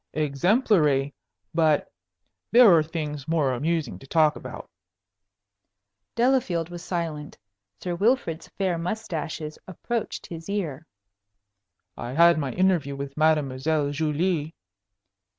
"Exemplary. But there are things more amusing to talk about." Delafield was silent. Sir Wilfrid's fair mustaches approached his ear. "I had my interview with Mademoiselle Julie."